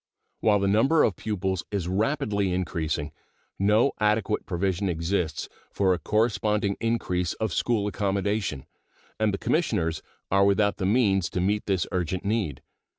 While the number of pupils is rapidly increasing, no adequate provision exists for a corresponding increase of school accommodation, and the Commissioners are without the means to meet this urgent need.